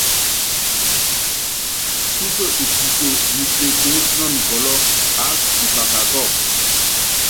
Súpe upuso nyi peseé nɔ nukɔlɔ́, aáka pifaka kɔ́ɔku.